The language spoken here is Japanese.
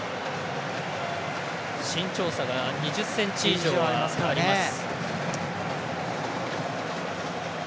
身長差が２０ｃｍ以上あります。